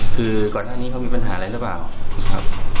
คือก่อนหน้านี้เขามีปัญหาอะไรหรือเปล่าครับ